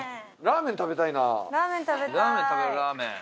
ラーメン食べようラーメン。